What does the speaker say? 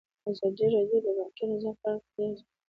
ازادي راډیو د بانکي نظام په اړه د اقتصادي اغېزو ارزونه کړې.